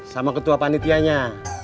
sama ketua panitianya